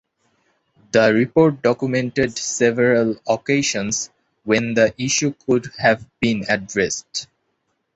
The report documented several occasions when the issue could have been addressed.